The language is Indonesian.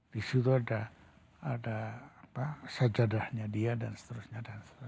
di situ ada sajadahnya dia dan seterusnya